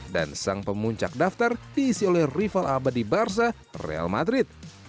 dan sang pemuncak daftar diisi oleh rival abadi barca real madrid